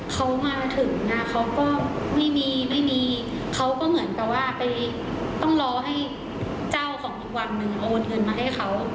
เขามาถึงนะเขาก็ไม่มีไม่มีเขาก็เหมือนกับว่าไปต้องรอให้เจ้าของอีกวันนึงโอนเงินมาให้เขา